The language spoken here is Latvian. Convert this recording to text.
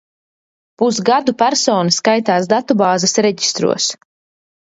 Pusgadu persona skaitās datubāzes reģistros.